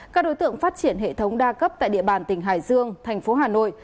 các đối tượng phát triển hệ thống đa cấp tại địa bàn tỉnh hải dương tp hà nội